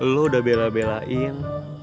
lo udah bela belain